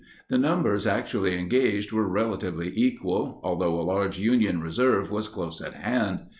The numbers actually engaged were relatively equal, although a large Union reserve was close at hand.